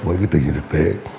với cái tình hình thực tế